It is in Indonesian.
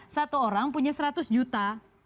satu orang punya seratus juta